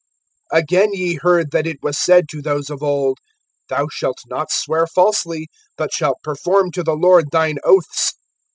(33)Again ye heard, that it was said to those of old[5:33]: Thou shalt not swear falsely, but shalt perform to the Lord thine oaths.